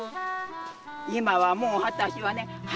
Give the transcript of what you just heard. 今はもう私はね